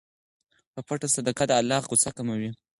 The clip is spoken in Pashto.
په پټه صدقه د الله غصه کموي.